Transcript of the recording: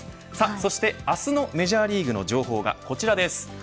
そして明日のメジャーリーグの情報がこちらです。